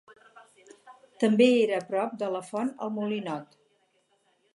També era a prop de la font el Molinot.